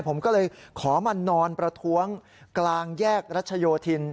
ผมก็เลยขอมานอนประท้วงกลางแยกรัชโยธิน